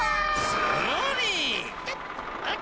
すごい。